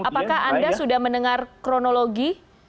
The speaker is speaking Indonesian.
apakah anda sudah mendengar kronologi